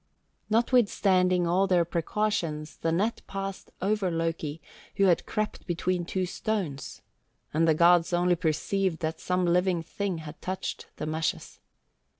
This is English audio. Notwithstanding all their precautions the net passed over Loki, who had crept between two stones, and the gods only perceived that some living thing had touched the meshes.